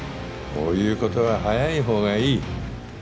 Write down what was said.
こういうことは早いほうがいい。